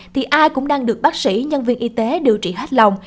thì ai cũng đang được bác sĩ nhân viên y tế điều trị hết lòng